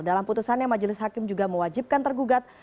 dalam putusannya majelis hakim juga mewajibkan tergugat